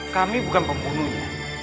kami bukan pembunuhnya